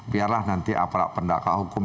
biarlah nanti apalagi pendakwa hukum